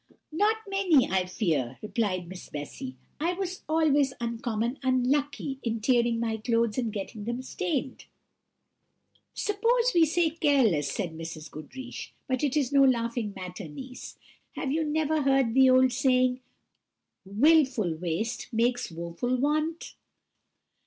"Not many, I fear!" replied Miss Bessy; "I was always uncommon unlucky in tearing my clothes and getting them stained." "Suppose we say careless," said Mrs. Goodriche; "but it is no laughing matter, niece. Have you never heard the old saying, 'Wilful waste makes woful want'?"